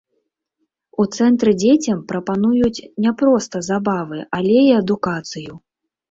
У цэнтры дзецям прапануюць не проста забавы, але і адукацыю.